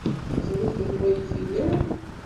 Teẓriḍ anwa ay t-ilan?